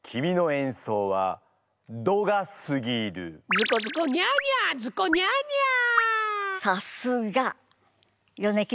ズコズコにゃーにゃーズコにゃーにゃー！